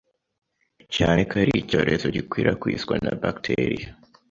cyane ko ari icyorezo gikwirakwizwa na “bacteria”